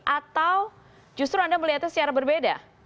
atau justru anda melihatnya secara berbeda